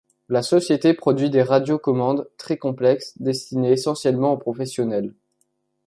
La société produit des radiocommandes très complexes destinées essentiellement aux professionnels.